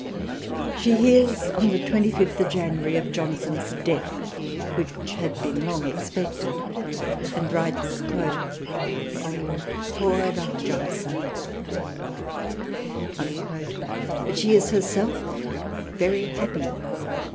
She hears on the 25th of January of Johnson's death which had been long expected and writes " Oh poor Dr. Johnson " but she is herself very happy.